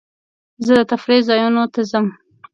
زه د تفریح ځایونو ته ځم.